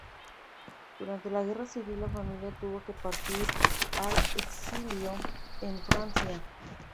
Durante la Guerra Civil la familia tuvo que partir al exilio en Francia.